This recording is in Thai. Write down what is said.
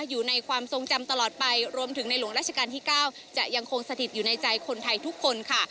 อยู่ในความทรงจำตลอดไปรวมถึงในหลวงราชการที่๙จะยังคงสถิตอยู่ในใจคนไทยทุกคนค่ะ